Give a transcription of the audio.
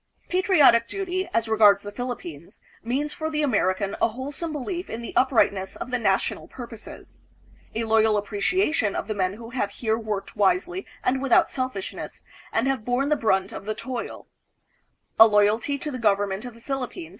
Patriotic duty, as regards the Philip pines, means for the American a wholesome belief in the uprightness of the national purposes; a loyal appreciation of the men who have here worked wisely and without selfishness, and have borne the brunt of the toil; a loyalty to the government of the Philippines